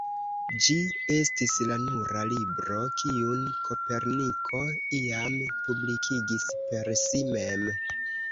Ĝi estis la nura libro kiun Koperniko iam publikigis per si mem.